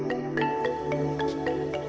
ketika dapur itu berfungsi